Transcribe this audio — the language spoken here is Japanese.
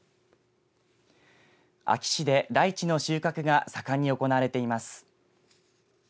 安芸市でライチの収穫が盛んに行われています。